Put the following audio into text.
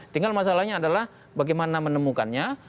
tinggal masalahnya adalah bagaimana menemukannya